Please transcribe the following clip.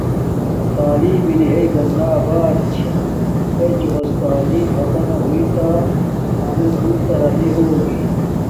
تعلیم ارینݣ ہݶ بندا آبات چھا۔ ہݶ چوکس تعلیم ہاتنہ ہوݶ تہ اما بوت ترقی ہوگی۔